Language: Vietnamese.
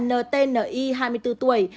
ntni hai mươi bốn tuổi